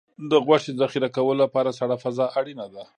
د غوښې ذخیره کولو لپاره سړه فضا اړینه ده.